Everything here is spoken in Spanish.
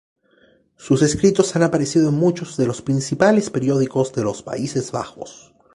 Sus escritos han aparecido en muchos de los principales periódicos de los Países Bajos.